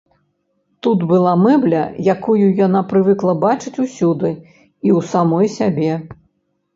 Тут была мэбля, якую яна прывыкла бачыць усюды і ў самой сябе.